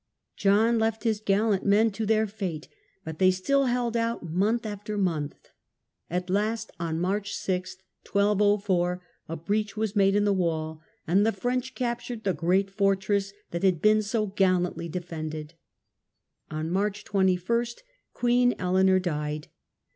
John left his gallant men to their fate, but they still held out month after month. At last, on March 6, 1204, a breach was made in the wall, and the French captured the great fortress that had been so gallantly defended. On March 21 Queen Eleanor died.